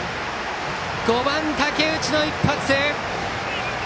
５番、武内の一発！